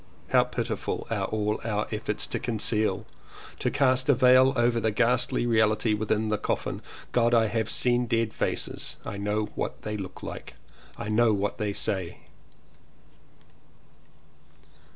How pitiful are all our efforts to conceal, to cast a veil over the ghastly reality within the coffin. God! I have seen dead faces. I know what they look like. 1 know what they say.